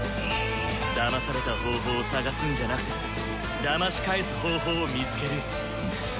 だまされた方法を探すんじゃなくてだまし返す方法を見つける。